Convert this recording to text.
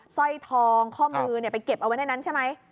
สร้อยทองข้อมือไปเก็บเอาไว้ในนั้นใช่ไหม